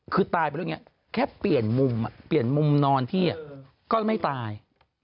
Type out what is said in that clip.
คือตายไปแล้วอย่างนี้แค่เปลี่ยนมุมเปลี่ยนมุมนอนที่ก็ไม่ตาย